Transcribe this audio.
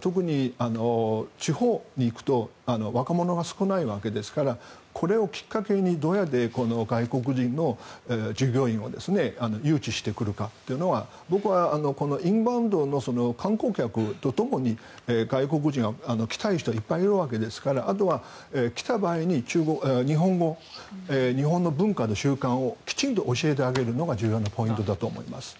特に、地方に行くと若者が少ないわけですからこれをきっかけにどうやって外国人の従業員を誘致してくるかというのが僕はインバウンドの観光客とともに外国人、来たい人いっぱいいるわけですからあとは来た場合に日本語、日本の文化と習慣をきちんと教えてあげるのが重要なポイントだと思います。